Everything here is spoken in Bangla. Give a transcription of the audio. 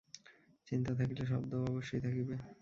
চিন্তা থাকিলে শব্দও অবশ্যই থাকিবে।